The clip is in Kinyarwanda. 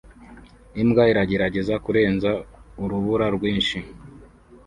Imbwa iragerageza kurenza urubura rwinshi